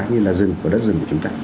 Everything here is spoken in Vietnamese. như là rừng của đất rừng của chúng ta